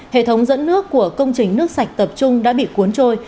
hệ thống dẫn nước của công trình nước sạch tập trung đã bị cuốn trôi